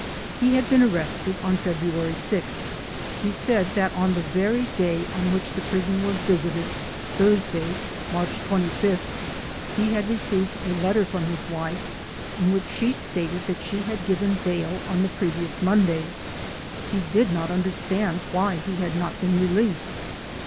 He had been arrested on February 6th. He said that on the very day on which the prison was visited, Thursday, March 25, he had received a letter from his wife in which she stated that she had given bail on the previous Monday. He did not understand why he had not been released.